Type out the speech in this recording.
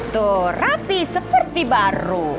tuh rapi seperti baru